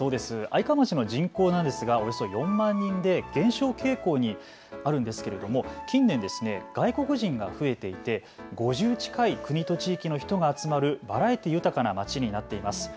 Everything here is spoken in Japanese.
愛川町の人口なんですがおよそ４万人で減少傾向にあるんですけれども、近年、外国人が増えていて５０近い国と地域の人が集まるバラエティー豊かな町になってます。